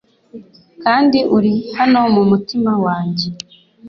Kandi uri hano mumutima wanjye